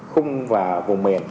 khung và vùng miền